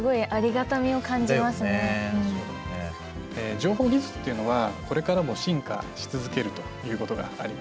情報技術っていうのはこれからも進化し続けるということがあります。